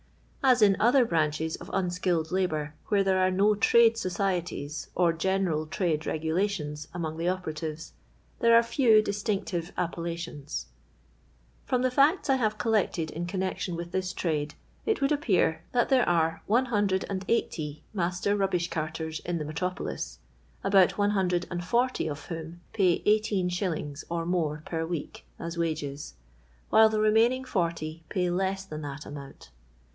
As in other branches of unskilled la bour where there are no trade societies or general trade regulations among the operatives, there are few distinctixc appellations. From the facts I have collected in connection with this trade, it would appear that there are ISO master rubbish carters in the metropolis, about 140 of whom pay 1S<. or more per week as wages, while the remaining 40 pay less than that amount.